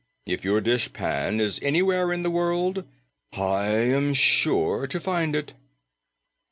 If your dishpan is anywhere in the world, I am sure to find it."